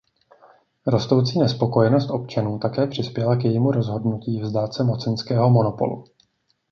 Rostoucí nespokojenost občanů také přispěla k jejímu rozhodnutí vzdát se mocenského monopolu.